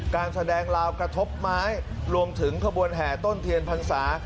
การแสดงลาวกระทบไม้รวมถึงขบวนแห่ต้นเทียนพรรษา